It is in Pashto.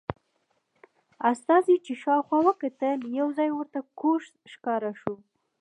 استازي چې شاوخوا وکتل یو ځای ورته کوږ ښکاره شو.